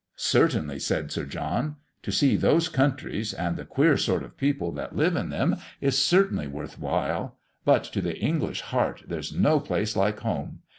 "Certainly," said Sir John; "to see those countries, and the queer sort of people that live in them, is certainly worth while; but to the English heart there's no place like home.